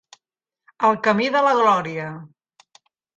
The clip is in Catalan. El camí de la glòria.